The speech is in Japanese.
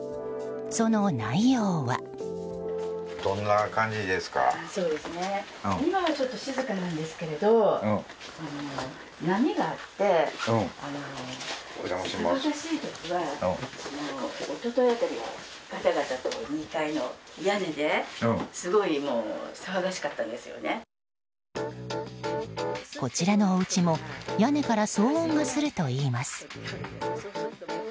その内容は。こちらのおうちも屋根から騒音がするといいます。